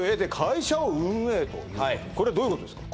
これどういうことですか？